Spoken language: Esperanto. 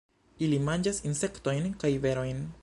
Ili manĝas insektojn kaj berojn.